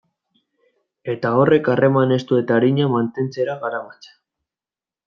Eta horrek harreman estu eta arina mantentzera garamatza.